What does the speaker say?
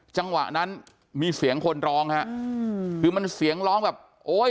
จังหวะนั้นมีเสียงคนร้องฮะอืมคือมันเสียงร้องแบบโอ้ย